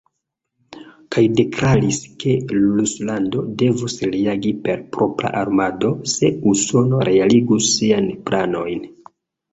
Kaj deklaris, ke Ruslando devus reagi per propra armado, se Usono realigus siajn planojn.